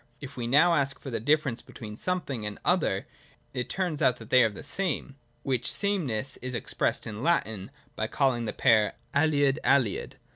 If we now ask for the difference between something and an other, it turns out that they are the same : which sameness is expressed in Latin by calling the pair aliud—aliud.